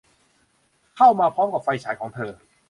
เข้ามาพร้อมกับไฟฉายของเธอ